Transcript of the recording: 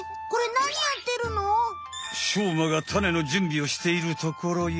しょうまがタネのじゅんびをしているところよ。